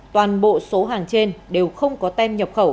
toàn bộ số hàng trên đều không có tem nhập khẩu